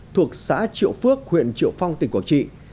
thuộc xã triệu phước huyện triệu phong tỉnh quảng trị